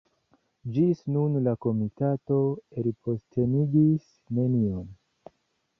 Ĝis nun la komitato elpostenigis neniun.